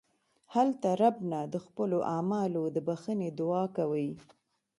هلته رب نه د خپلو اعمالو د بښنې دعا کوئ.